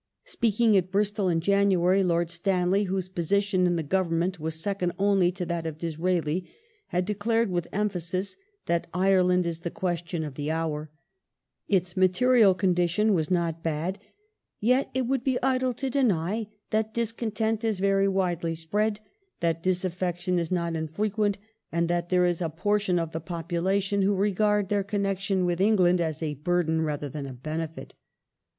Speak ing at Bristol in January, Lord Stanley, whose position in the Government was second only to that of Disraeli, had declai ed with emphasis that "Ireland is the question of the hour ". Its material condition was not bad, " yet it would be idle to deny that discon tent is very widely spread, that disaffection is not infrequent, and that there is a portion of the population ... who regard their con nection with England as a burden rather than a benefit